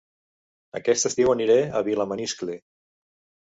Aquest estiu aniré a Vilamaniscle